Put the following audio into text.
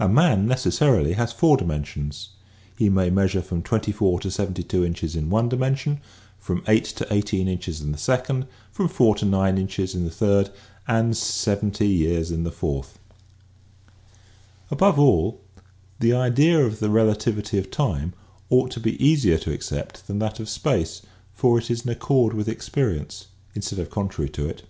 A man necessarily has four dimensions. He may measure from 24 to 72 inches in one dimension, from BERGSON ON TIME 51 8 to 1 8 inches in the second, from 4 to 9 inches in the third and 70 years in the fourth. After all, the idea of the relativity of time ought to be easier to accept than that of space for it is in accord with experience instead of contrary to it.